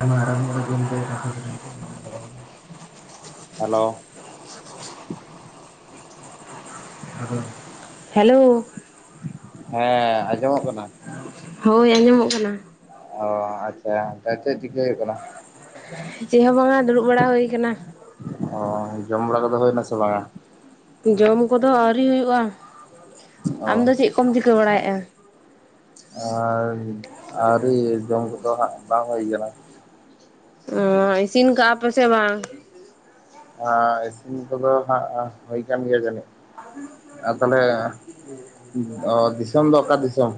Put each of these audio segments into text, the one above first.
ᱟᱝ ᱨᱚᱢ ᱨᱟᱦᱟ hello hello ᱦᱮᱸ ᱟᱸᱡᱚᱢᱚᱜ ᱠᱟᱱᱟ ᱦᱳᱭ ᱟᱸᱡᱚᱢᱚᱜ ᱠᱟᱱᱟ ᱚ ᱟᱪᱪᱷᱟ ᱛᱚ ᱪᱮᱫ ᱪᱮᱠᱟ ᱦᱩᱭᱩᱜ ᱠᱟᱱᱟ ᱪᱮᱫ ᱦᱚᱸ ᱵᱟᱝᱟ ᱫᱩᱲᱩᱵ ᱵᱟᱲᱟ ᱦᱩᱭ ᱠᱟᱱᱟ ᱚ ᱡᱚᱢ ᱵᱟᱲᱟ ᱠᱚᱫᱚ ᱦᱩᱭᱱᱟ ᱥᱮ ᱵᱟᱝᱟ ᱡᱚᱢ ᱠᱚᱫᱚ ᱟᱹᱣᱨᱤ ᱦᱩᱭᱩᱜᱼᱟ ᱟᱢ ᱚ ᱫᱚ ᱪᱮᱫ ᱠᱚᱢ ᱪᱤᱠᱟᱹ ᱵᱟᱲᱟᱭᱮᱫᱼᱟ ᱟᱨ ᱟᱹᱣᱨᱮ ᱡᱚᱢ ᱠᱚᱫᱚ ᱵᱟᱝ ᱦᱩᱭ ᱟᱠᱟᱱᱟ ᱚ ᱤᱥᱤᱱᱠᱟᱜ-ᱟ ᱯᱮᱥᱮ ᱵᱟᱝ ᱤᱥᱤᱱ ᱠᱚᱫᱚ ᱦᱟᱸᱜ ᱦᱩᱭ ᱠᱟᱱ ᱜᱮᱭᱟ ᱡᱟᱹᱱᱤᱡ ᱟᱨ ᱛᱟᱦᱚᱞᱮ ᱫᱤᱥᱚᱢ ᱫᱚ ᱚᱠᱟ ᱫᱤᱥᱚᱢ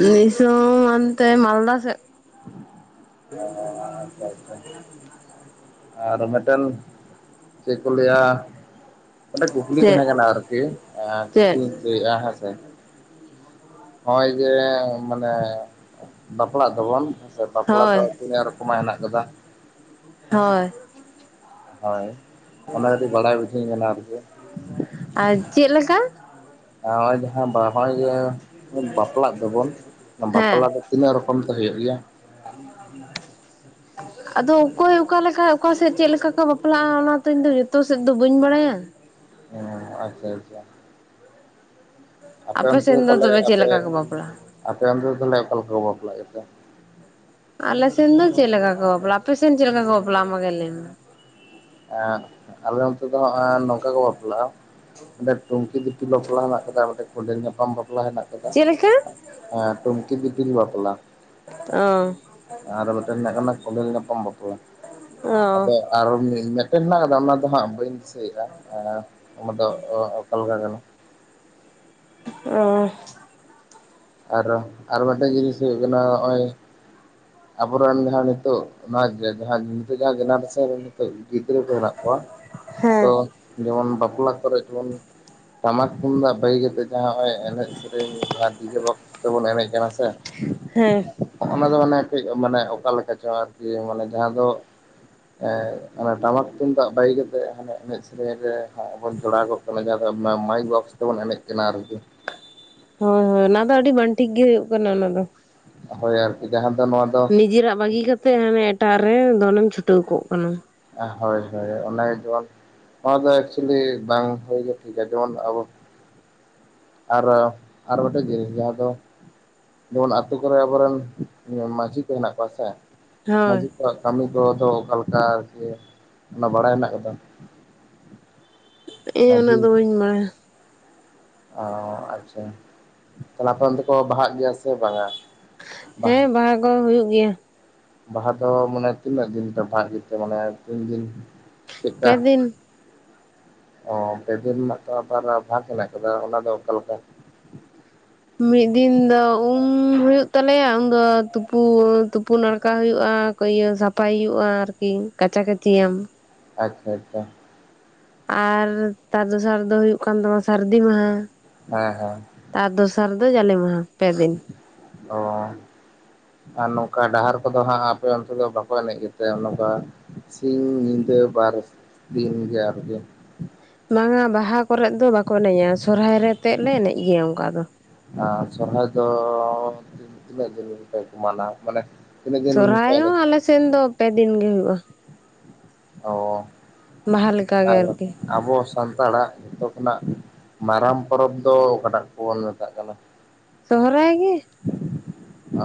ᱫᱤᱥᱚᱢ ᱦᱟᱱᱛᱮ ᱢᱟᱞᱫᱟ ᱥᱮᱜ [unintelligible] ᱟᱪᱪᱷᱟ ᱟᱪᱪᱷᱟ [inaudible] ᱟᱨ ᱢᱤᱫᱴᱮᱱ ᱪᱮᱫ ᱠᱚ ᱞᱟᱹᱭᱟ ᱢᱤᱫᱴᱮᱡ ᱠᱩᱠᱞᱤ ᱛᱟᱦᱮᱸ ᱪᱮᱫ ᱠᱟᱱᱟ ᱟᱨᱠᱤ ᱪᱮᱫ ᱠᱩᱠᱞᱤᱧ ᱞᱟᱹᱭᱮᱫᱼᱟ ᱦᱮᱸᱥᱮ ᱱᱚᱜᱼᱚᱭ ᱡᱮ ᱢᱟᱱᱮ ᱵᱟᱯᱞᱟᱜ ᱫᱚᱵᱚᱱ ᱥᱮ ᱵᱟᱯᱞᱟ ᱫᱚ ᱦᱳᱭ ᱛᱤᱱᱟᱹᱜ ᱨᱚᱠᱚᱢ ᱟ [unintelligible] ᱦᱳᱭ ᱦᱳᱭ ᱚᱱᱟ ᱠᱟᱹᱴᱤᱡ ᱵᱟᱲᱟᱭ ᱵᱩᱡᱷᱟᱹᱣᱤᱧ ᱢᱮ ᱟᱨᱠᱤ ᱟᱨ ᱪᱮᱫ ᱞᱮᱠᱟ ᱟᱨ ᱡᱟᱦᱟᱸ ᱱᱚᱜᱚᱭ ᱵᱟᱯᱞᱟᱜ ᱫᱚᱵᱚᱱ ᱦᱮᱸ ᱵᱟᱯᱞᱟ ᱫᱚ ᱛᱤᱱᱟᱹᱜ ᱨᱚᱠᱚᱢ ᱛᱮ ᱦᱩᱭᱩᱜ ᱜᱮᱭᱟ [unintelligible] [inaudible] ᱟᱫᱚ ᱚᱠᱚᱭ ᱚᱠᱟ ᱞᱮᱠᱟ ᱚᱠᱟᱥᱮᱫ ᱪᱮᱫ ᱞᱮᱠᱟ ᱠᱚ ᱵᱟᱯᱞᱟᱜᱼᱟ ᱚᱱᱟᱛᱮ ᱤᱧᱫᱚ ᱡᱚᱛᱚ ᱥᱮᱫ ᱫᱚ ᱵᱟᱹᱧ ᱵᱟᱲᱟᱭᱟ ᱚ ᱟᱪᱪᱷᱟ ᱟᱪᱪᱷᱟ ᱟᱯᱮ ᱚᱱᱛᱮ ᱥᱮᱱ ᱫᱚ ᱛᱟᱦᱞᱮ ᱛᱚᱵᱮ ᱪᱮᱫ ᱞᱮᱠᱟ ᱠᱚ ᱵᱟᱯᱞᱟᱜᱼᱟ ᱟᱯᱮ ᱚᱱᱛᱮ ᱫᱚ ᱛᱟᱦᱞᱮ ᱚᱠᱟᱞᱮᱠᱟ ᱵᱟᱯᱞᱟᱜ ᱜᱮᱭᱟ ᱟᱞᱮ ᱥᱮᱱ ᱫᱚ ᱪᱮᱫ ᱞᱮᱠᱟ ᱠᱚ ᱵᱟᱯᱞᱟ-ᱟ ᱟᱯᱮ ᱥᱮᱱ ᱪᱮᱫ ᱞᱮᱠᱟ ᱠᱚ ᱵᱟᱯᱞᱟ-ᱟ ᱟᱢ ᱟᱜᱮ ᱞᱟᱹᱭ ᱢᱮ ᱟᱞᱮ ᱱᱚᱛᱮ ᱫᱚ ᱦᱟᱸᱜ ᱱᱚᱝᱠᱟ ᱠᱚ ᱵᱟᱯᱞᱟᱜᱼᱟ ᱚᱸᱰᱮ ᱴᱩᱝ ᱴᱩᱝᱠᱤ ᱫᱤᱯᱤᱞ ᱵᱟᱯᱞᱟ ᱦᱮᱱᱟᱜ ᱟᱠᱟᱫᱟ ᱚᱸᱰᱮ ᱠᱚᱸᱰᱮᱞ ᱧᱟᱯᱟᱢ ᱵᱟᱯᱞᱟ ᱦᱮᱱᱟᱜ ᱟᱠᱟᱫᱟ ᱪᱮᱫ ᱞᱮᱠᱟ ᱴᱩᱝᱠᱤ ᱫᱤᱯᱤᱞ ᱵᱟᱯᱞᱟ ᱚ ᱟᱨ ᱢᱤᱫᱴᱮᱱ ᱦᱩᱭᱩᱜ ᱠᱟᱱᱟ ᱠᱚᱸᱰᱮᱞ ᱧᱟᱯᱟᱢ ᱵᱟᱯᱞᱟ ᱚ ᱟᱫᱚ ᱟᱨᱚ ᱢᱮᱴᱮᱱ ᱦᱮᱱᱟᱜ ᱟᱠᱟᱫᱟ ᱚᱱᱟ ᱫᱚ ᱦᱟᱸᱜ ᱵᱟᱹᱧ ᱫᱤᱥᱟᱹᱭᱮᱫᱼᱟ ᱟᱢ ᱫᱚ ᱚᱠᱟ ᱞᱮᱠᱟ ᱠᱟᱱᱟ ᱚ ᱟᱨᱚ ᱟᱨ ᱢᱤᱫᱴᱮᱱ ᱡᱤᱱᱤᱥ ᱦᱩᱭᱩᱜ ᱠᱟᱱᱟ ᱱᱚᱜᱼᱚᱭ ᱟᱵᱚᱨᱮᱱ ᱡᱟᱦᱟᱸ ᱱᱤᱛᱚᱜ ᱚᱱᱟ ᱱᱤᱛᱚᱜ ᱡᱟᱦᱟᱸ ᱡᱮᱱᱟᱨᱮᱥᱚᱱ ᱨᱮᱱ ᱱᱤᱛᱚᱜ ᱜᱤᱫᱽᱨᱟᱹ ᱠᱚ ᱦᱮᱱᱟᱜ ᱠᱚᱣᱟ ᱦᱮᱸ ᱛᱚ ᱡᱮᱢᱚᱱ ᱵᱟ ᱵᱟᱯᱞᱟ ᱠᱚᱨᱮ ᱡᱮᱢᱚᱱ ᱴᱟᱢᱟᱠ ᱛᱩᱢᱫᱟᱹᱜ ᱵᱟᱜᱤ ᱠᱟᱛᱮ ᱡᱟᱦᱟᱸ ᱱᱚ-ᱚᱭ ᱮᱱᱮᱡ ᱥᱮᱨᱮᱧ ᱡᱟᱦᱟᱸ ᱰᱤᱡᱮ ᱵᱚᱠᱥ [unintelligible] ᱛᱮ ᱵᱚᱱ ᱤᱱᱮᱡ ᱠᱟᱱᱟ ᱥᱮ ᱦᱮᱸ ᱚᱱᱟ ᱫᱚ ᱢᱟᱱᱮ ᱠᱟᱹᱡ ᱢᱟᱱᱮ ᱚᱠᱟ ᱞᱮᱠᱟ ᱪᱚᱝ ᱟᱨᱠᱤ ᱢᱟᱱᱮ ᱡᱟᱦᱟᱸ ᱫᱚ ᱚᱱᱟ ᱴᱟᱢᱟᱠ ᱛᱩᱢᱫᱟᱹᱜ ᱵᱟᱹᱜᱤ ᱠᱟᱛᱮᱜ ᱦᱟᱱᱮ ᱮᱱᱮᱡ ᱥᱮᱨᱮᱧ ᱨᱮ ᱵᱚᱱ ᱡᱚᱲᱟᱣ ᱠᱚᱜ ᱠᱟᱱᱟ ᱡᱟᱦᱟᱸ ᱫᱚ ᱢᱟᱭᱤᱠ ᱵᱚᱠᱥ ᱛᱮᱵᱚᱱ ᱮᱱᱮᱡ ᱠᱟᱱᱟ ᱟᱨᱠᱤ ᱦᱳᱭ ᱦᱳᱭ ᱚᱱᱟ ᱫᱚ ᱟᱹᱰᱤ ᱵᱟᱝ ᱴᱷᱤᱠ ᱜᱮ ᱦᱩᱭᱩᱜ ᱠᱟᱱᱟ ᱚᱱᱟ ᱫᱚ ᱦᱳᱭ ᱟᱨᱠᱤ ᱡᱟᱸᱦᱟ ᱱᱤᱡᱮᱨᱟᱜ ᱵᱟᱹᱜᱤ ᱠᱟᱛᱮᱜ ᱦᱟᱱᱮ ᱮᱴᱟᱜ ᱨᱮ ᱫᱚᱱᱮᱢ ᱪᱷᱩᱴᱟᱹᱣ ᱠᱚᱜ ᱠᱟᱱᱟ ᱦᱳᱭ ᱦᱳᱭ ᱚᱱᱮ ᱡᱮᱢᱚᱱ ᱱᱚᱣᱟ ᱫᱚ ᱮᱠᱪᱩᱭᱮᱞᱤ ᱵᱟᱝ ᱦᱩᱭ ᱜᱮ ᱴᱷᱠᱟ ᱡᱮᱢᱚᱱ ᱟᱵᱚ ᱟᱨ ᱟᱨ ᱜᱴᱮᱡ ᱡᱤᱱᱤᱥ ᱡᱟᱦᱟᱸ ᱫᱚ ᱡᱮᱢᱚᱱ ᱟᱹᱛᱩ ᱠᱚᱨᱮ ᱟᱵᱚᱨᱮᱱ ᱢᱟᱹᱡᱷᱤ ᱠᱚ ᱦᱮᱱᱟᱜ ᱠᱚᱣᱟ ᱥᱮ ᱦᱳᱭ ᱢᱟᱡᱦᱤ ᱠᱚᱣᱟᱜ ᱠᱟᱹᱢᱤ ᱠᱚ ᱫᱚ ᱚᱠᱟ ᱞᱮᱠᱟ ᱟᱨᱠᱤ ᱚᱱᱟ ᱵᱟᱲᱟᱭ ᱦᱮᱱᱟᱜ ᱟᱠᱟᱫᱟ ᱤᱧ ᱩᱱᱟᱹᱜ ᱫᱚ ᱵᱟᱹᱧ ᱵᱟᱰᱟᱭᱟ ᱚ ᱟᱪᱪᱷᱟ ᱛᱟᱦᱚᱞᱮ ᱟᱯᱮ ᱚᱱᱛᱮ ᱠᱚ ᱵᱟᱦᱟᱜ ᱜᱮᱭᱟ ᱥᱮ ᱵᱟᱝᱟ ᱦᱮᱸ ᱵᱟᱦᱟ ᱠᱚ ᱦᱩᱭᱩᱜ ᱜᱮᱭᱟ ᱵᱟᱦᱟ ᱫᱚ ᱢᱟᱱᱮ ᱛᱤᱱᱟᱹᱜ ᱫᱤᱱ ᱯᱮ ᱵᱟᱦᱟᱜ ᱜᱮ ᱛᱮ ᱢᱟᱱᱮ ᱛᱤᱱ ᱫᱤᱱ ᱪᱮᱫᱠᱟ ᱯᱮ ᱫᱤᱱ ᱚ ᱯᱮ ᱫᱤᱱ ᱨᱮᱱᱟᱜ ᱟᱵᱟᱨ ᱵᱷᱟᱜᱽ ᱢᱮᱱᱟᱜᱮ ᱠᱟᱫᱟ ᱚᱱᱟ ᱫᱚ ᱚᱠᱟ ᱞᱮᱠᱟ ᱢᱤᱫ ᱫᱤᱱ ᱫᱚ ᱩᱢ ᱦᱩᱭᱩᱜ ᱛᱟᱞᱮᱭᱟ ᱩᱱᱫᱚ ᱛᱩᱯᱩ ᱛᱩᱯᱩᱱ ᱱᱟᱲᱠᱟ ᱦᱩᱭᱩᱜᱼᱟ ᱤᱭᱟᱹ ᱥᱟᱯᱷᱟᱭ ᱦᱩᱭᱩᱜᱼᱟ ᱟᱨᱠᱤ ᱠᱟᱪᱟ ᱠᱟᱪᱤᱭᱟᱢ ᱟᱪᱪᱷᱟ ᱟᱪᱪᱷᱟ ᱟᱨ ᱛᱟᱨ ᱫᱚᱥᱟᱨ ᱫᱚ ᱦᱩᱭᱩᱜ ᱠᱟᱱ ᱛᱟᱢᱟ ᱥᱟᱹᱨᱫᱤ ᱢᱟᱦᱟ ᱦᱮᱸ ᱦᱮᱸ ᱛᱟᱨ ᱫᱚᱥᱟᱨ ᱫᱚ ᱡᱟᱞᱮ ᱢᱟᱦᱟ ᱯᱮ ᱫᱤᱱ ᱚ ᱟᱨ ᱱᱚᱝᱠᱟ ᱰᱟᱦᱟᱨ ᱠᱚᱫᱚ ᱦᱟᱸᱜ ᱟᱯᱮ ᱩᱱᱠᱩ ᱫᱚ ᱵᱟᱠᱚ ᱮᱱᱮᱡ ᱜᱮᱛᱮ ᱱᱚᱝᱠᱟ ᱥᱤᱧ ᱧᱤᱫᱟᱹ ᱵᱟᱨ ᱫᱤᱱ ᱜᱮ ᱟᱨᱜᱮ ᱵᱟᱝᱟ ᱵᱟᱦᱟ ᱠᱚᱨᱮᱮᱫ ᱫᱚ ᱵᱟᱠᱚ ᱮᱱᱮᱡᱟ ᱥᱚᱨᱦᱟᱭ ᱨᱮᱛᱮ ᱞᱮ ᱮᱱᱮᱡ ᱜᱮᱭᱟ ᱚᱱᱠᱟ ᱫᱚ ᱟᱨ ᱥᱚᱨᱦᱟᱭ ᱫᱚ ᱛᱤᱱᱟᱹᱜ ᱫᱤᱱᱯᱮ ᱢᱟᱱᱟᱣ ᱢᱟᱱᱮ ᱛᱤᱱᱟᱹᱜ ᱫᱤᱱ ᱯᱮ ᱥᱚᱦᱟᱨᱟᱭ ᱮᱱᱮᱡ ᱦᱚᱸ ᱟᱞᱮ ᱥᱮᱱ ᱫᱚ ᱯᱮ ᱫᱤᱱ ᱜᱮ ᱦᱩᱭᱩᱜᱼᱟ ᱚ ᱵᱟᱦᱟ ᱞᱮᱠᱟᱜᱮ ᱟᱨ ᱟᱨᱠᱤ ᱟᱵᱚ ᱥᱟᱱᱛᱟᱲ ᱥᱟᱱᱛᱟᱲᱟᱜ ᱡᱚᱛᱚ ᱠᱷᱚᱱᱟᱜ ᱢᱟᱨᱟᱝ ᱯᱚᱨᱚᱵᱽ ᱫᱚ ᱚᱠᱟᱴᱟᱜ ᱠᱚᱵᱚᱱ ᱢᱮᱛᱟᱜ ᱠᱟᱱᱟ ᱥᱚᱦᱚᱨᱟᱭ ᱜᱮ ᱚ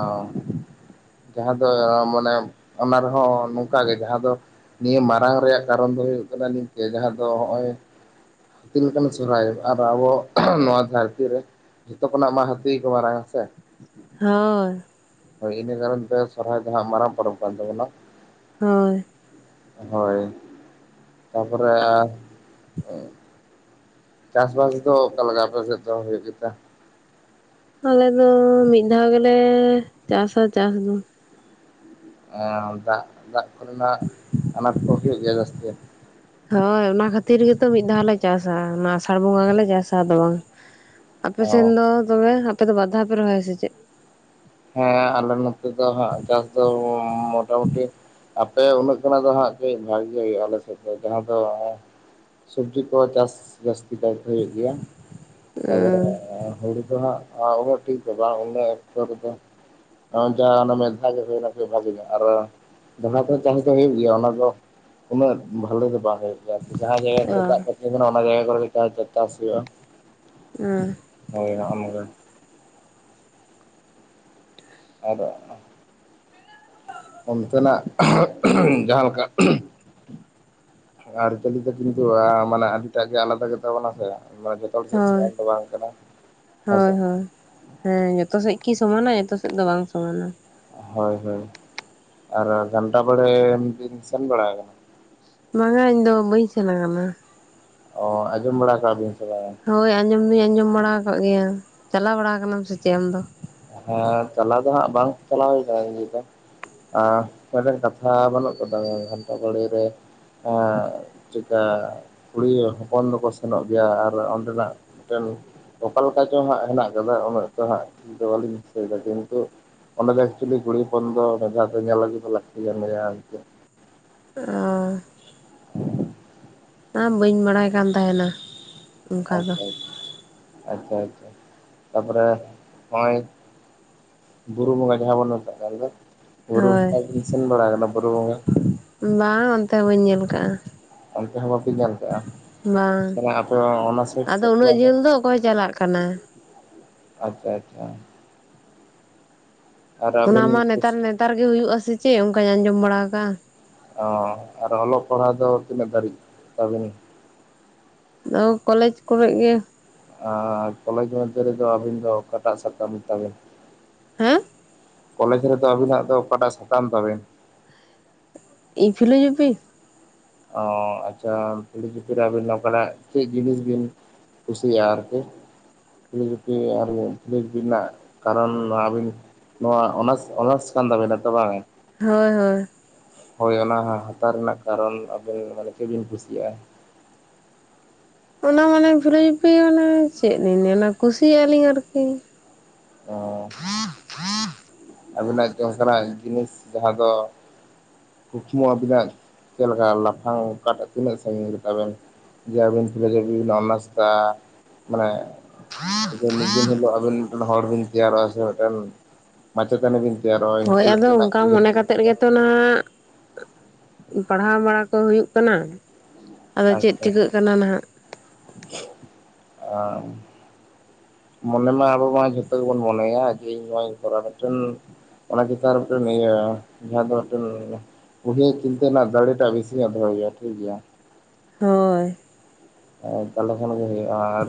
ᱡᱟᱦᱟᱸ ᱫᱚ ᱢᱟᱱᱮ ᱚᱱᱟ ᱨᱮᱦᱚᱸ ᱱᱚᱝᱠᱟᱜᱮ ᱡᱟᱦᱟᱸ ᱫᱚ ᱱᱤᱭᱟᱹ ᱢᱟᱨᱟᱝ ᱨᱮᱭᱟᱜ ᱠᱟᱨᱚᱱ ᱫᱚ ᱦᱩᱭᱩᱜ ᱠᱟᱱᱟ ᱱᱤᱝᱠᱟᱹ ᱡᱟᱦᱟᱸ ᱫᱚ ᱱᱚᱜᱼᱚᱭ ᱦᱟᱹᱛᱤ ᱞᱮᱠᱟᱱ ᱥᱚᱨᱚᱦᱦᱟᱭ ᱟᱨ ᱟᱵᱚ ᱱᱚᱣᱟ ᱫᱷᱟᱹᱨᱛᱤ ᱨᱮ ᱡᱷᱚᱛᱚ ᱠᱷᱚᱱᱟᱜ ᱢᱟ ᱦᱟᱹᱛ ᱠᱚ ᱢᱟᱨᱟᱝ ᱦᱸ ᱥᱮ ᱦᱳᱭ ᱦᱳᱭ ᱤᱱᱟᱹ ᱠᱟᱨᱚᱱ ᱛᱮ ᱥᱚᱨᱦᱟᱭ ᱫᱚ ᱦᱟᱸᱜ ᱢᱟᱨᱟᱝ ᱯᱚᱨᱚᱵᱽ ᱠᱟᱱ ᱛᱟᱵᱳᱱᱟ ᱦᱳᱭ ᱦᱳᱭ ᱛᱟᱨᱯᱚᱨᱮ ᱟᱨ ᱪᱟᱥᱵᱟᱥ ᱫᱚ ᱚᱠᱟᱞ ᱞᱮᱠᱟ ᱟᱯᱮ ᱥᱮᱫ ᱫᱚ ᱦᱩᱭᱩᱜ ᱜᱮᱛᱮ ᱟᱞᱮ ᱫᱚ ᱢᱤᱫ ᱫᱷᱟᱣ ᱜᱮᱞᱮ ᱪᱟᱥᱟ ᱪᱟᱥ ᱫᱚ ᱮ ᱫᱟᱜ ᱫᱟᱜ ᱠᱚᱨᱮᱱᱟᱜ ᱟᱱᱟᱴ ᱠᱚ ᱦᱩᱭᱩᱜ ᱜᱮᱭᱟ ᱡᱟᱹᱥᱛᱤ ᱦᱳᱭ ᱚᱱᱟ ᱠᱷᱟᱹᱛᱤᱨ ᱜᱮᱛᱚ ᱢᱤᱫ ᱫᱷᱟᱣ ᱜᱮᱞᱮ ᱪᱟᱥᱟ ᱚᱱᱟ ᱟᱥᱟᱲ ᱵᱚᱸᱜᱟ ᱜᱮᱞᱮ ᱪᱟᱥᱟ ᱟᱫᱚ ᱵᱟᱝ ᱟᱯᱮ ᱥᱮᱱ ᱚ ᱫᱚ ᱛᱚᱵᱮ ᱟᱯᱮ ᱫᱚ ᱵᱟᱨ ᱫᱷᱟᱣ ᱯᱮ ᱨᱚᱦᱚᱭᱟ ᱥᱮ ᱪᱮᱫ ᱦᱮᱸ ᱟᱞᱮ ᱱᱚᱛᱮ ᱫᱚ ᱪᱟᱥ ᱫᱚ ᱢᱚᱴᱟᱢᱩᱴᱤ ᱟᱯᱮ ᱩᱱᱟᱹᱜ ᱠᱷᱚᱱᱟᱜ ᱫᱚ ᱦᱟᱸᱜ ᱠᱟᱹᱡ ᱵᱷᱟᱜᱮ ᱜᱮ ᱦᱩᱭᱩᱜᱼᱟ ᱟᱞᱮ ᱥᱮᱫ ᱫᱚ ᱡᱟᱦᱟᱸ ᱫᱚ ᱥᱚᱵᱡᱤ ᱠᱚ ᱪᱟᱥ ᱡᱟᱥᱥᱛᱤ ᱠᱟᱭ ᱛᱮ ᱦᱩᱭᱩᱜ ᱜᱮᱭᱟ ᱛᱟᱯᱚᱨᱮ ᱚ ᱦᱩᱲᱩ ᱫᱚ ᱟᱜ ᱩ ᱴᱷᱤᱠᱮ ᱵᱟᱝ ᱚᱱᱟ ᱚᱠᱛᱚ ᱫᱚ ᱡᱟᱦᱟᱸ ᱢᱮᱫᱷᱟ ᱜᱮ ᱦᱩᱭᱱᱟ ᱥᱮ ᱵᱷᱟᱜᱤ ᱜᱮ ᱟᱨ ᱡᱟᱦᱟᱸ ᱪᱟᱥ ᱫᱚ ᱦᱩᱭᱩᱜ ᱜᱮᱭᱟ ᱚᱱᱟ ᱫᱚ ᱩᱱᱟᱹᱜ ᱵᱷᱟᱞᱮ ᱫᱚ ᱵᱟᱝ ᱡᱟᱦᱟᱸ ᱡᱟᱭᱜᱟ ᱠᱚᱨᱮ ᱫᱟᱜ ᱠᱚᱛᱤ ᱠᱟᱱᱟ ᱚᱱᱟ ᱡᱟᱭᱜᱟ ᱠᱚᱨᱮ ᱜᱮ ᱪᱟᱥ ᱦᱩᱭᱩᱜᱼᱟ ᱦᱳᱭ ᱦᱳᱭ ᱱᱚᱜᱚᱭ ᱱᱚᱝᱠᱟ ᱟᱫᱚ ᱚᱱᱛᱮᱱᱟᱜ ᱡᱟᱦᱟᱸ ᱞᱮᱠᱟ ᱟᱹᱨᱤᱪᱟᱹᱞᱤ ᱫᱚ ᱠᱤᱱᱛᱩ ᱢᱟᱱᱮ ᱟᱹᱰᱤᱴᱟᱜ ᱜᱮ ᱟᱞᱟᱫᱟ ᱜᱮᱛᱟ ᱵᱚᱱᱟ ᱥᱮ ᱢᱟ ᱡᱚᱛᱚ ᱦᱚᱲ ᱥᱮᱫ ᱥᱚᱢᱟᱱ ᱫᱚ ᱵᱟᱝ ᱠᱟᱱᱟ ᱦᱳᱭ ᱦᱮᱸᱥᱮ ᱦᱳᱭ ᱦᱮᱸ ᱡᱚᱛᱚ ᱥᱮᱫ ᱠᱤ ᱥᱚᱢᱟᱱᱟ ᱡᱚᱛᱚ ᱥᱮᱫ ᱫᱚ ᱵᱟᱝ ᱥᱚᱢᱟᱱᱟ ᱦᱳᱭ ᱦᱳᱭ ᱟᱨ ᱜᱷᱟᱱᱴᱟ ᱵᱟᱲᱮ ᱵᱤᱱ ᱥᱮᱱ ᱵᱟᱲᱟ ᱟᱠᱟᱱᱟ ᱵᱟᱝᱟ ᱤᱧᱫᱚ ᱵᱟᱹᱧ ᱥᱮᱱ ᱟᱠᱟᱱᱟ ᱚ ᱟᱸᱡᱚᱢ ᱵᱟᱲᱟ ᱟᱠᱟᱜ ᱵᱤᱱ ᱥᱮ ᱵᱟᱝ ᱦᱳᱭ ᱟᱸᱡᱚᱢ ᱫᱩᱧ ᱟᱸᱡᱚᱢ ᱵᱟᱲᱟ ᱟᱠᱟᱫ ᱜᱮᱭᱟ ᱪᱟᱞᱟᱣ ᱵᱟᱲᱟ ᱠᱟᱱᱟᱢ ᱥᱮ ᱪᱮᱫ ᱟᱢ ᱫᱚ ᱦᱮᱸ ᱪᱟᱞᱟᱣ ᱫᱚ ᱦᱟᱸᱜ ᱵᱟᱝ ᱪᱟᱞᱟᱣ ᱦᱩᱭ ᱠᱟᱱᱟ ᱢᱤᱫᱴᱮᱱ ᱠᱟᱛᱷᱟ ᱵᱟᱹᱱᱩᱜ ᱠᱟᱫᱟ ᱜᱷᱟᱱᱴᱟ ᱵᱟᱲᱮ ᱨᱮ ᱪᱮᱠᱟ ᱠᱩᱲᱤ ᱦᱚᱯᱚᱱ ᱫᱚᱠᱚ ᱥᱮᱱᱚᱜ ᱜᱮᱭᱟ ᱟᱨ ᱚᱸᱰᱮᱱᱟᱜ ᱢᱤᱫᱴᱮᱱ ᱚᱠᱟ ᱞᱮᱠᱟ ᱪᱚᱝ ᱦᱟᱸᱜ ᱦᱮᱱᱟᱜ ᱠᱟᱫᱟ ᱩᱱᱟᱹᱜ ᱪᱚ ᱦᱟᱸᱜ ᱫᱚ ᱵᱟᱹᱞᱤᱧ ᱫᱤᱥᱟᱹᱭᱮᱫᱟ ᱠᱤᱱᱛᱩ ᱚᱸᱰᱮ ᱫᱚ ᱮᱠᱪᱩᱭᱮᱞᱤ ᱠᱩᱲᱤ ᱦᱚᱯᱚᱱ ᱫᱚ ᱡᱟᱦᱟᱸᱯᱮ ᱧᱮᱞ ᱟᱹᱜᱩᱭ ᱫᱟ ᱞᱟᱹᱠᱛᱤ ᱠᱟᱱ ᱜᱮᱭᱟ ᱚ ᱚᱱᱟ ᱵᱟᱹᱧ ᱵᱟᱲᱟᱭ ᱠᱟᱱ ᱛᱟᱦᱮᱱᱟ ᱚᱱᱠᱟ ᱫᱚ ᱟᱪᱪᱷᱟ ᱟ ᱟᱪᱪᱷᱟ ᱟᱪᱪᱷᱟ ᱛᱟᱨᱯᱚᱨᱮ ᱱᱚᱜᱼᱭ ᱵᱩᱨᱩ ᱵᱚᱸᱜᱟ ᱡᱟᱦᱟᱸ ᱵᱚᱱ ᱢᱮᱛᱟᱜ ᱦᱳᱭ ᱠᱟᱱᱫᱚ ᱥᱮᱱ ᱵᱟᱲᱟ ᱯ [inaudible] ᱵᱟᱝ ᱚᱱᱛᱮ ᱵᱟᱹᱧ ᱧᱮᱞ ᱟᱠᱟᱜᱼᱟ ᱚᱱᱛᱮ ᱦᱚᱸ ᱵᱟᱯᱮ ᱧᱮᱞ ᱵᱟᱝ ᱠᱟᱜᱼᱟ ᱟᱯᱮ ᱚᱱᱟ ᱥᱟᱭᱤᱰ ᱟᱫᱚ ᱥᱮᱫ ᱩᱱᱟᱹᱜ ᱡᱷᱟᱹᱞ ᱫᱚ ᱚᱠᱚᱭ ᱪᱟᱞᱟᱜ ᱠᱟᱱᱟ ᱟᱪᱪᱷᱟ ᱟᱪᱪᱷᱟ ᱟᱨ ᱚᱱᱟ ᱢᱟ ᱟᱹᱵᱤᱱ ᱱᱮᱛᱟᱨ ᱛᱤᱥ ᱱᱮᱛᱟᱨ ᱜᱮ ᱦᱩᱭᱩᱜ-ᱟ ᱥᱮ ᱪᱮᱫ ᱚᱱᱠᱟᱹᱧ ᱟᱸᱡᱚᱢ ᱵᱟᱲᱟ ᱟᱠᱟᱜ ᱚ ᱟᱨ ᱚᱞᱚᱜ ᱯᱟᱲᱦᱟᱜ ᱫᱚ ᱛᱤᱱᱟᱹᱜ ᱫᱷᱟᱹᱨᱤᱡ ᱛᱟᱵᱤᱱᱤᱡ ᱟ ᱠᱚᱞᱮᱡᱽ ᱠᱚᱨᱮ ᱜᱮ᱾ ᱟᱨ ᱠᱚᱞᱮᱡᱽ ᱢᱚᱫᱽᱫᱷᱮ ᱨᱮᱫᱚ ᱟᱹᱵᱤᱱ ᱫᱚ ᱚᱠᱟᱴᱟᱜ ᱥᱟᱛᱟᱢ ᱛᱟᱵᱮᱱ᱾ ᱦᱮᱸ ᱠᱚᱞᱮᱡᱽ ᱨᱮᱫᱚ ᱟᱵᱤᱱᱟᱜ ᱫᱚ ᱚᱠᱟᱴᱟᱜ ᱥᱟᱛᱟᱢ ᱛᱟᱵᱮᱱ? ᱤᱧ ᱯᱷᱤᱞᱳᱡᱚᱯᱷᱤ᱾ ᱚ ᱟᱪᱪᱷᱟ ᱯᱷᱤᱞᱳᱡᱚᱯᱷᱤ ᱨᱮ ᱟᱹᱵᱤᱱ ᱱᱚᱝᱠᱟᱱᱟᱜ ᱪᱮᱫ ᱡᱤᱱᱤᱥ ᱵᱤᱱ ᱠᱩᱥᱤ ᱟᱨ ᱠᱤ ᱠᱩᱞᱤ ᱜᱩᱯᱤ ᱟᱨᱵᱤ ᱠᱩᱞᱤ ᱜᱩᱯᱤ ᱨᱮᱱᱟᱜ ᱠᱟᱨᱚᱱ ᱟᱹᱵᱤᱱ ᱱᱚᱣᱟ ᱚᱱᱟᱨᱥ ᱚᱱᱟᱨᱥ ᱠᱟᱱ ᱛᱟᱵᱮᱱᱟ ᱛᱚ ᱵᱟᱝ? ᱦᱳᱭ ᱦᱳᱭ ᱦᱳᱭ ᱚᱱᱟ ᱦᱟᱛᱟᱣ ᱨᱮᱱᱟᱜ ᱠᱟᱨᱚᱱ ᱟᱵᱮᱱ ᱢᱟᱱᱮ ᱪᱮᱫ ᱵᱮᱤᱱ ᱠᱩᱥᱤᱭᱟᱜᱼᱟ᱾ ᱚᱱᱟ ᱢᱟᱱᱮ ᱯᱷᱤᱞᱳᱡᱚᱯᱷᱤ ᱚᱱᱟ ᱪᱮᱫ ᱞᱤᱧ ᱱᱮᱞᱟ ᱠᱩᱥᱤᱭᱟᱜ ᱞᱤᱧ ᱟᱨᱠᱤ ᱚ ᱟᱹᱵᱤᱱᱟᱜ ᱚᱱᱠᱟᱱᱟᱜ ᱡᱤᱱᱤᱥ ᱡᱟᱦᱟᱸ ᱫᱚ ᱠᱩᱠᱢᱩ ᱟᱵᱤᱱᱟᱜ ᱪᱮᱫ ᱞᱮᱠᱟ ᱞᱟᱯᱷᱟᱝ ᱚᱠᱟᱴᱟᱜ ᱛᱤᱱᱟᱹᱜ ᱥᱟᱺᱜᱤᱧ ᱨᱮᱛᱟᱵᱮᱱ ᱟᱵᱤᱱ ᱯᱷᱤᱞᱳᱡᱚᱯᱷᱤ ᱚᱱᱟᱨᱥ ᱫᱟ ᱢᱟᱱᱮ ᱢᱤᱫ ᱫᱤᱱ ᱦᱤᱞᱳᱜ ᱟᱵᱤᱱ ᱢᱤᱫᱴᱮᱱ ᱦᱚᱲ ᱵᱤᱱ ᱛᱮᱭᱟᱨᱚᱜᱼᱟ ᱥᱮ ᱢᱤᱫᱴᱮᱱ ᱢᱟᱪᱮᱛᱟᱱᱤ ᱵᱤᱱ ᱛᱮᱭᱟᱨᱚᱜᱼᱟ ᱤᱱᱠᱟᱹ ᱦᱳᱭ ᱟᱫᱚ ᱞᱮᱠᱟᱱᱟᱜ ᱚᱱᱠᱟ ᱩᱭᱦᱟᱹᱨ ᱢᱚᱱᱮ ᱠᱟᱛᱮᱜ ᱪᱤᱱᱛᱟᱹ ᱜᱮ ᱱᱟᱝ ᱯᱟᱲᱦᱟᱣ ᱵᱟᱲᱟ ᱠᱚ ᱦᱩᱭᱩᱜ ᱠᱟᱱᱟ᱾ ᱟᱫᱚ ᱪᱮᱫ ᱟᱪᱪᱷᱟ ᱪᱤᱠᱟᱹᱜ ᱠᱟᱱᱟ ᱱᱟᱦᱟᱜ? ᱟᱨ ᱢᱚᱱᱮ ᱢᱟ ᱟᱵᱚ ᱢᱟ ᱡᱷᱚᱛᱚ ᱜᱮᱵᱚᱱ ᱢᱚᱱᱮᱭᱟ ᱡᱮ ᱤᱧ ᱱᱚᱣᱟᱧ ᱠᱚᱨᱟᱣ ᱢᱤᱫᱴᱮᱱ ᱚᱱᱟ ᱪᱮᱛ ᱟᱨ ᱢᱤᱫᱴᱮᱱ ᱤᱭᱟᱹ ᱡᱟᱦᱟᱸ ᱫᱚ ᱢᱤᱫᱴᱮᱱ ᱩᱵᱷᱮ ᱪᱤᱱᱛᱟᱹ ᱨᱮᱱᱟᱜ ᱫᱟᱲᱮᱴᱟᱜ ᱵᱮᱥᱤ ᱧᱚᱜ ᱫᱚᱦᱚᱭᱮᱭᱟ ᱴᱷᱤᱠ ᱜᱮᱭᱟ᱾ ᱦᱳᱭ ᱛᱟᱦᱞᱮ ᱠᱷᱟᱱ ᱜᱮ ᱦᱩᱭᱩᱜᱼᱟ ᱟᱨ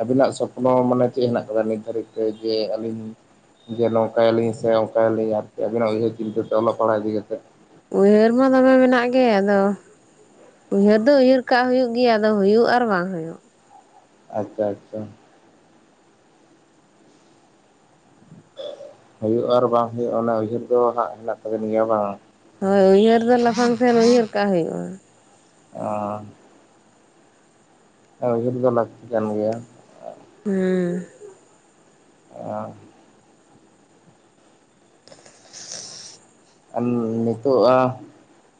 ᱟᱵᱤᱱᱟᱜ ᱥᱚᱯᱱᱚ ᱢᱟᱱᱮ ᱪᱮᱫ ᱦᱮᱱᱟᱜ ᱠᱟᱫᱟ ᱱᱤᱛ ᱫᱷᱟᱹᱨᱤᱡ ᱛᱮ ᱡᱮ ᱟᱹᱞᱤᱧ ᱡᱮ ᱱᱚᱝᱠᱟᱭᱟᱞ ᱞᱤᱧ ᱥᱮ ᱚᱱᱠᱟᱭᱟᱞ ᱞᱤᱧ ᱟᱨᱠᱤ ᱟᱹᱵᱤᱱᱟᱜ ᱩᱭᱦᱟᱹᱨ ᱪᱤᱱᱛᱟᱹ ᱛᱮ ᱚᱞᱚᱜ ᱯᱟᱲᱦᱟᱣ ᱤᱫᱤ ᱠᱟᱛᱮᱫ? ᱩᱭᱦᱟᱹᱨ ᱢᱟ ᱫᱚᱢᱮ ᱢᱮᱱᱟᱜ ᱜᱮ ᱟᱫᱚ ᱩᱭᱦᱟᱹᱨ ᱫᱚ ᱩᱭᱦᱟᱹᱨ ᱠᱟᱜ ᱦᱩᱭᱩᱜ ᱜᱮᱭᱟ ᱟᱫᱚ ᱦᱩᱭᱩᱜ ᱟᱨ ᱵᱟᱝ ᱦᱩᱭᱩᱜ? ᱟᱪᱪᱷᱟ ᱟᱪᱪᱷᱟ ᱦᱩᱭᱩᱜᱼᱟ ᱟᱨ ᱵᱟᱝ ᱦᱩᱭᱩᱜᱼᱟ ᱚᱱᱟ ᱩᱭᱦᱟᱹᱨ ᱫᱚ ᱦᱟᱸᱜ ᱦᱮᱱᱟᱜ ᱛᱟᱵᱮᱱ ᱜᱮᱭᱟ ᱵᱟᱝ ᱦᱳᱭ ᱩᱭᱦᱟᱹᱨ ᱫᱚ ᱞᱟᱯᱷᱟᱝ ᱥᱮᱱ ᱩᱭᱦᱟᱹᱨ ᱠᱟᱜ ᱦᱩᱭᱩᱜᱼᱟ᱾ ᱚ ᱩᱭᱦᱟᱹᱨ ᱫᱚ ᱞᱟᱹᱠᱛᱤ ᱠᱟᱱ ᱜᱮᱭᱟ᱾ ᱦᱮᱸ ᱮ ᱟᱢ ᱱᱤᱛᱚᱜᱼᱟ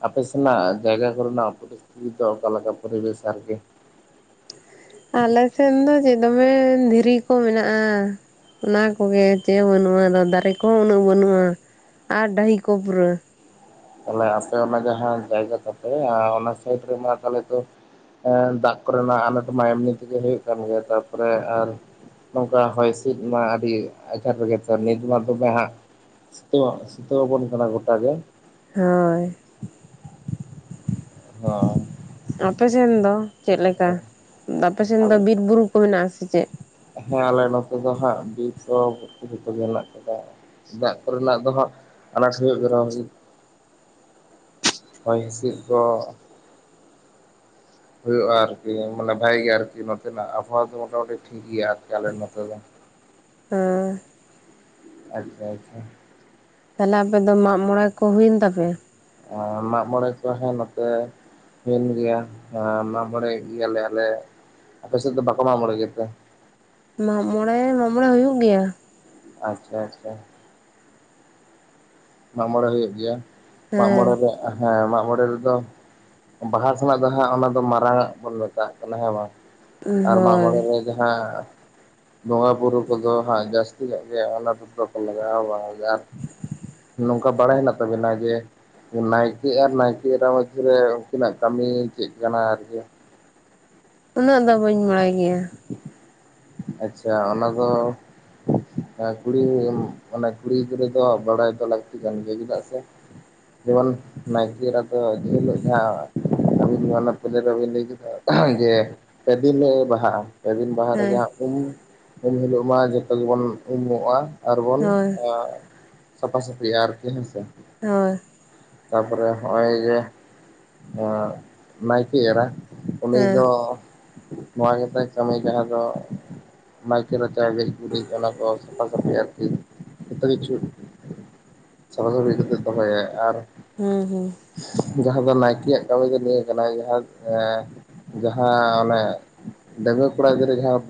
ᱟᱯᱮ ᱥᱮᱱᱟᱜ ᱡᱟᱭᱜᱟ ᱠᱚᱨᱮᱱᱟᱜ ᱯᱚᱨᱤᱥᱛᱷᱤᱛᱤ ᱫᱚ ᱚᱠᱟᱞᱮᱠᱟ ᱯᱚᱨᱤᱵᱮᱥ ᱟᱨᱠᱤ [inaudible] ᱟᱞᱮ ᱥᱮᱫ ᱫᱚ ᱪᱮᱫ ᱫᱚᱢᱮ ᱫᱷᱤᱨᱤ ᱠᱚ ᱢᱮᱱᱟᱜᱼᱟ᱾ ᱚᱱᱟ ᱠᱚᱜᱮ ᱪᱮᱫ ᱵᱟᱹᱱᱩᱜᱼᱟ᱾ ᱟᱫᱚ ᱫᱟᱨᱮ ᱠᱚᱦᱚᱸ ᱩᱱᱟᱹᱜ ᱵᱟᱹᱱᱩᱜᱼᱟ᱾ ᱟᱨ ᱰᱟᱹᱺᱦᱤ ᱠᱚᱯᱨᱟᱹ᱾ ᱛᱟᱦᱮ ᱟᱯᱮ ᱚᱱᱟ ᱡᱟᱭᱜᱟ ᱠᱟᱛᱮ ᱚᱱᱟ ᱥᱟᱭᱤᱰ ᱨᱮ ᱛᱮ ᱛ ᱫᱟᱜ ᱠᱚᱨᱮᱱᱟᱜ ᱟᱱᱟᱴᱚᱢᱟᱭ ᱮᱢᱱᱤ ᱛᱮᱜᱮ ᱦᱩᱭᱩᱜ ᱠᱟᱱ ᱜᱮᱭᱟ᱾ ᱛᱟᱨᱯᱚᱨᱮ ᱱᱚᱝᱠᱟ ᱦᱚᱭ ᱦᱤᱸᱥᱤᱫ ᱢᱟ ᱟᱹᱰᱤ ᱟᱡᱷᱟᱴ ᱨᱮᱜᱮ ᱛᱚ ᱱᱤᱛ ᱢᱟ ᱫᱚᱢᱮ ᱦᱟᱸᱜ᱾ ᱥᱤᱛᱩ, ᱥᱤᱛᱩ ᱵᱚᱱ ᱠᱟᱱᱟ ᱜᱚᱴᱟᱜ ᱜᱮ᱾ ᱦᱳᱭ ᱦᱚ ᱟᱯᱮᱥᱱ ᱫᱚ ᱪᱮᱫᱞᱮᱠᱟ ᱟᱯᱮ ᱥᱮᱱ ᱫᱚ ᱟᱞᱮ ᱵᱤᱨ ᱵᱩᱨᱩ ᱠᱚ ᱢᱮᱱᱟᱜ ᱟᱥᱮ ᱪᱮᱫ ᱚᱛᱚ ᱜᱮ ᱦᱱᱟᱜ ᱠᱟᱫᱟ ᱫᱟᱜ ᱠᱚᱨᱮᱱᱟᱜ ᱫᱚ ᱦᱟᱸᱜ ᱟᱱᱟᱴ ᱦᱩᱭᱩᱜ ᱠᱟᱱᱟ ᱦᱚᱭ ᱦᱤᱸᱥᱤᱫ ᱫᱚ ᱦᱩᱭᱩᱜᱼᱟ ᱟᱨᱠᱤ ᱢᱟᱱᱮ ᱵᱷᱟᱜ ᱜᱮ ᱟᱨᱠᱤ ᱱᱚᱛᱮᱱᱟᱜ ᱟᱵᱚᱦᱟᱣᱟ ᱫᱚ ᱢᱳᱴᱟᱢᱩᱴᱤ ᱴᱷᱤᱠ ᱜᱮᱭᱟ ᱟᱞᱮ ᱱᱚᱛᱮ ᱫᱚ᱾ ᱦᱮᱸ ᱟᱪᱪᱷᱟ ᱟᱪᱪᱷᱟ ᱛᱟᱦᱞᱮ ᱟᱯᱮ ᱫᱚ ᱢᱟᱜ ᱢᱚᱚᱲᱮ ᱠᱚ ᱦᱩᱭᱮᱱ ᱛᱟᱯᱮᱭᱟ ᱢᱟᱜ ᱢᱚᱬᱮ ᱠᱚ ᱦᱮᱸ ᱱᱚᱛᱮ ᱦᱩᱭᱮᱱ ᱜᱮᱭᱟ ᱢᱟᱜ ᱢᱚᱬᱮᱸ ᱮᱱ ᱜᱮᱭᱟᱞᱮ ᱟᱞᱮ ᱟᱯᱮ ᱥᱮᱫ ᱫᱚ ᱵᱚᱠ ᱢᱟᱜᱢᱩᱬᱮᱸ ᱜᱮᱛᱮ ᱢᱟᱜ ᱢᱚᱬᱮ ᱢᱟᱜ ᱢᱬᱮ ᱦᱩᱭᱩᱜ ᱜᱮᱭᱟ ᱟᱪᱪᱷᱟ ᱟᱪᱪᱷᱟ ᱢᱟᱜ ᱢᱚᱬᱮ ᱦᱩᱭᱩᱜ ᱜᱮᱭᱟ ᱢᱟᱜ ᱢᱚᱬᱮ ᱦᱮᱸ ᱨᱮ ᱦᱮᱸ ᱢᱟᱜ ᱢᱚᱬᱮ ᱨᱮᱫᱚ ᱵᱟᱦᱟ ᱥᱮᱱᱟᱜ ᱫᱚ ᱦᱟᱸᱜ ᱚᱱᱟ ᱫᱚ ᱢᱟᱨᱟᱝ ᱟᱜ ᱵᱚᱱ ᱢᱮᱛᱟᱜ ᱠᱟᱱᱟ ᱦᱮᱸ ᱵᱟᱝ ᱟᱨ ᱢᱟᱜ ᱢᱚᱬᱮ ᱦᱳᱭ ᱨᱮ ᱡᱟᱦᱟᱸ ᱵᱚᱸᱜᱟᱼᱵᱩᱨᱩ ᱠᱚᱫᱚ ᱡᱟᱹᱥᱛᱤ ᱜᱮ ᱟᱱᱟᱴ ᱫᱚᱠᱚ ᱞᱟᱜᱟᱜᱼᱟ ᱱᱚᱝᱠᱟ ᱵᱟᱲᱟᱭ ᱦᱮᱱᱟᱜ ᱛᱟᱵᱮᱱᱟ ᱡᱮ ᱱᱟᱭᱠᱮ ᱟᱨ ᱱᱟᱭᱠᱮ ᱢᱩᱫᱨᱮ ᱩᱱᱠᱤᱱᱟᱜ ᱠᱟᱹᱢᱤ ᱪᱮᱫ ᱠᱟᱱᱟ ᱟᱨᱠᱤ ᱩᱱᱟᱹᱜ ᱫᱚ ᱵᱟᱹᱧ ᱵᱟᱲᱟᱭ ᱜᱮᱭᱟ ᱟᱪᱪᱷᱟ ᱚᱱᱟᱫᱚ ᱠᱩᱲᱤ ᱠᱩᱲᱤ ᱜᱤᱫᱽᱨᱟᱹ ᱫᱚ ᱵᱟᱲᱟᱭ ᱦᱚᱪᱚ ᱞᱟᱹᱠᱛᱤ ᱠᱟᱱ ᱜᱮᱭᱟ ᱪᱮᱫᱟᱜ ᱥᱮ ᱡᱮᱢᱚᱱ ᱱᱟᱭᱠᱮ ᱮᱨᱟ ᱫᱚ [unintelligible] ᱡᱟᱦᱟᱸ [unintelligible] ᱞᱟᱹᱭ ᱠᱮᱫᱟ ᱡᱮ [unintelligible] ᱵᱟᱦᱟᱜᱼᱟ ᱯᱮ ᱫᱤᱱ ᱵᱟᱦᱟ ᱨᱮᱜ ᱦᱮᱸ ᱩᱢ ᱩᱢ ᱦᱤᱞᱳ ᱢᱟ ᱡᱚᱛᱚ ᱜᱮᱵᱚᱱ ᱩᱢᱚᱜᱼᱟ᱾ ᱟᱨᱵᱚᱱ ᱦᱳᱭ ᱥᱟᱯᱷᱟ ᱥᱟᱹᱯᱷᱤᱤᱼᱟ ᱟᱨᱠᱤ ᱦᱮᱸ ᱥᱮᱮ ᱦᱳᱭ ᱛᱟᱯᱚᱨᱮ ᱦᱚᱜᱼᱚᱭ ᱡᱮ ᱱᱟᱭᱠᱮ ᱮᱨᱟ ᱩᱱᱤ ᱦᱮᱸ ᱫᱚ ᱱᱚᱣᱟ ᱜᱮᱛᱟᱭ ᱠᱟᱹᱢᱤ ᱡᱟᱦᱟᱸ ᱫᱚ ᱱᱟᱭᱠᱮ ᱨᱟᱪᱟ ᱜᱮᱡ ᱜᱩᱨᱤᱡ ᱚᱱᱟ ᱠᱚ ᱥᱟᱯᱷᱟ ᱥᱟᱯᱷᱤ ᱟᱨᱠᱤ ᱡᱚᱛᱚ ᱠᱤᱪᱷᱩ [unintelligible] ᱦᱩᱸ ᱦᱩᱸ ᱡᱟᱦᱟᱸ ᱫᱚ ᱱᱟᱭᱠᱮᱭᱟᱜ ᱠᱟᱹᱢᱤ ᱫᱚ ᱱᱤᱭᱟᱹ ᱠᱟᱱᱟ ᱡᱟᱦᱟᱸ ᱚᱱᱮ ᱰᱟᱹᱜᱣᱟ. ᱠᱚᱲᱟ ᱜᱤᱫᱽᱨᱟᱹ ᱡᱟᱦᱟᱸ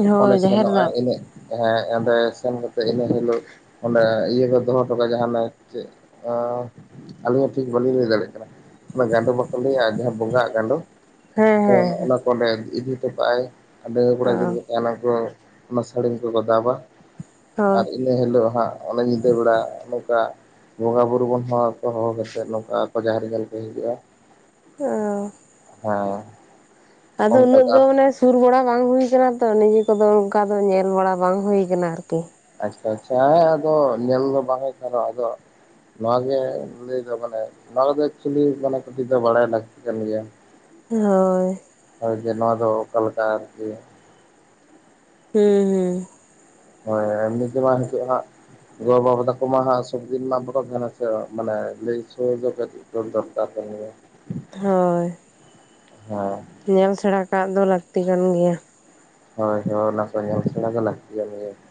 [unintelligible] ᱚᱱᱮ ᱦᱳᱭ ᱡᱟᱦᱮᱨ ᱫᱟᱵ ᱥᱮᱱᱚᱜᱼᱟᱭ ᱮᱱᱮᱡ ᱦᱮᱸ ᱚᱸᱰᱮ ᱥᱮᱱ ᱠᱟᱛᱮᱜ ᱤᱱᱟᱹ ᱦᱤᱞᱚᱜ ᱚᱸᱰᱮ ᱤᱭᱟᱹ ᱠᱚ ᱫᱚᱦᱚ ᱟᱱᱟ ᱡᱟᱸᱦᱟ ᱱᱟᱭᱠᱮ ᱟᱸ ᱟᱹᱞᱤᱧ ᱦᱚᱸ ᱴᱷᱤᱠ ᱵᱟᱹᱞᱤᱧ ᱞᱟᱹᱭ ᱫᱟᱲᱮᱭᱟᱜ ᱠᱟᱱᱟ᱾ ᱚᱱᱟ ᱜᱟᱸᱰᱳ ᱵᱟᱠᱚ ᱞᱟᱹᱭᱟ ᱡᱟᱦᱟᱸ ᱵᱚᱸᱜᱟ ᱦᱟᱜ ᱜᱟᱸᱰᱳ ᱦᱮᱸ ᱦᱮᱸ ᱚᱱᱟ ᱚᱸᱰᱮ ᱤᱫᱤ ᱦᱚᱴᱚ ᱠᱟᱜᱼᱟᱭ ᱚ [unintelligible] ᱚᱱᱟ ᱥᱟᱹᱲᱤᱢ ᱠᱚᱠᱚ ᱫᱟᱵᱟ ᱦᱳᱭ ᱟᱨ ᱤᱱᱟᱹ ᱦᱤᱞᱳᱜ ᱦᱟᱸᱜ ᱚᱱᱟᱚᱱᱮ ᱧᱤᱫᱟᱹ ᱵᱮᱲᱟ ᱵᱚᱸᱜᱟᱼ ᱵᱩᱨᱩᱳ ᱵᱚᱱ ᱦᱚᱦᱚᱣᱟᱠᱚᱣᱟ ᱦᱚᱦᱚ ᱠᱟᱛᱮ ᱱᱚᱝᱠᱟ ᱟᱠᱚ ᱡᱟᱦᱮᱨ ᱧᱮᱞ ᱠᱚ ᱦᱤᱡᱩᱜᱼᱟ᱾ ᱚ ᱦ ᱟᱫᱚ ᱩᱱᱟᱹᱜ ᱫᱚ ᱢᱟᱱᱮ ᱥᱩᱨ ᱵᱟᱲᱟᱟ ᱵᱟᱝ ᱦᱩᱭ ᱠᱟᱱᱟᱟᱱᱟ ᱛᱚ ᱱᱤᱡᱮ ᱠᱚᱫᱚ ᱚᱱᱠᱟ ᱫᱚ ᱧᱮᱞ ᱵᱟᱲᱟ ᱵᱟᱝ ᱦᱩᱭᱭᱟ ᱟᱠᱟᱱᱟ ᱟᱨᱠᱤ ᱟ ᱟᱪᱪᱷᱟ ᱦᱸ ᱟᱫᱚ ᱧᱮᱞ ᱫᱚ ᱵᱟᱝ ᱦᱩᱭᱩᱜ ᱟᱠᱟᱱ ᱨᱮᱸᱦᱚ ᱟᱫᱚ ᱱᱚᱣᱟᱜᱮ ᱞᱟᱹᱭ ᱫᱚ ᱢᱟᱱᱮ ᱱᱚᱣᱟ ᱫᱚ ᱮᱠᱪᱩᱞᱤ ᱢᱟᱱᱮ ᱠᱟᱹᱴᱤᱡ ᱫᱚ ᱵᱟᱲᱟᱭ ᱞᱟᱹᱠᱛᱤ ᱠᱟᱱ ᱜᱮᱭᱟ᱾ ᱦᱳᱭ ᱦᱳᱭ ᱡᱮ ᱱᱚᱣᱟ ᱫᱚ ᱚᱠᱟᱞᱮᱠᱟ ᱟᱨᱠᱤ ᱦᱩᱸ ᱦᱩᱸ ᱦᱳᱭ ᱮᱢᱱᱤ ᱛᱮ ᱢᱟ ᱦᱮᱪᱩᱜ ᱦᱟᱜ ᱜᱚ ᱵᱟᱵᱟ ᱛᱟᱠᱚᱢᱟ ᱥᱚᱵᱫᱤᱱ ᱢᱟ ᱵᱟᱠᱚ ᱛᱟᱦᱮᱱᱟ ᱥᱮ ᱢᱟᱱᱮ ᱞᱟᱹᱭ ᱦᱚᱪᱚ ᱫᱚᱨᱠᱟᱨ ᱛ [unintelligible] ᱦᱮᱸ ᱦᱮᱸ ᱧᱮᱞ ᱥᱮᱬᱟ ᱠᱟᱜ ᱫᱚ ᱞᱟᱹᱠᱛᱤ ᱠᱟᱱ ᱜᱮᱭᱟ᱾ ᱦᱳᱭ ᱦᱳᱭ ᱚᱱᱟ ᱠᱚ ᱧᱮᱞ ᱥᱮᱬᱟ ᱫᱚ ᱞᱟᱹᱠᱛᱤ ᱠᱟᱱ ᱜᱮᱭᱟ ᱾